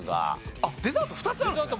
あっデザート２つあるんですね。